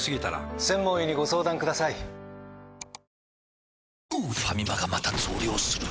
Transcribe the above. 続きましてファミマがまた増量する。